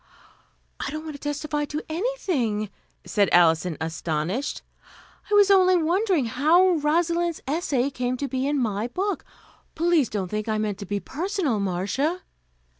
"I don't want to 'testify' to anything," said Alison, astonished. "I was only wondering how Rosalind's essay came to be in my book. Please don't think I meant to be personal, Marcia."